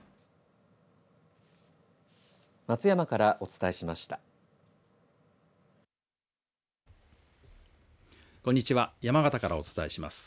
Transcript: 松山からお伝えしました。